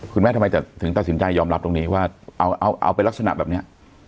ทำไมจะถึงตัดสินใจยอมรับตรงนี้ว่าเอาเป็นลักษณะแบบนี้